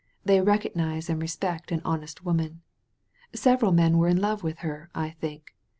They recognize and respect an honest woman. Several men were in love with her, I think.